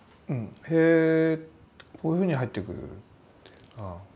へえこういうふうに入ってくるって。